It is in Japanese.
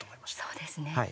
そうですね。